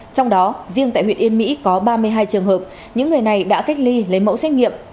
trong đó riêng tại huyện yên mỹ có ba mươi hai trường hợp những người này đã cách ly lấy mẫu xét nghiệm